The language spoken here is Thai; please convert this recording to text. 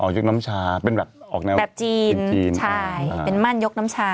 อ๋อยกน้ำชาเป็นแบบออกแนวจีนใช่เป็นมั่นยกน้ำชา